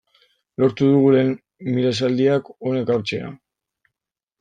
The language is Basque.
Lortu dugu lehen mila esaldiak hona ekartzea.